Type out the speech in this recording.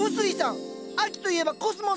秋といえばコスモスでしょ。